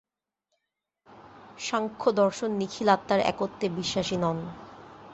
সাংখ্যদর্শন নিখিল আত্মার একত্বে বিশ্বাসী নন।